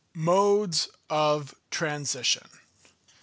_Modes of Transition.